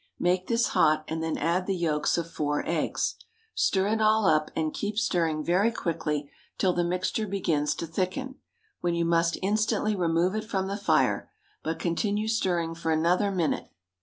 Make this hot, and then add the yolks of four eggs. Stir it all up, and keep stirring very quickly till the mixture begins to thicken, when you must instantly remove it from the fire, but continue stirring for another minute.